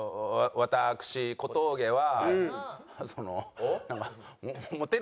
「私小峠は」？